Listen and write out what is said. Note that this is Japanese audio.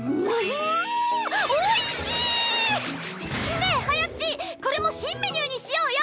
ねえはやっちこれも新メニューにしようよ！